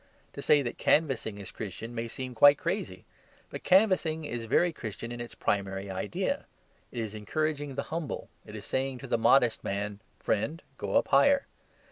To say that canvassing is Christian may seem quite crazy. But canvassing is very Christian in its primary idea. It is encouraging the humble; it is saying to the modest man, "Friend, go up higher."